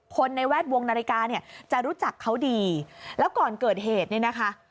ในแวดวงนาฬิกาเนี่ยจะรู้จักเขาดีแล้วก่อนเกิดเหตุเนี่ยนะคะ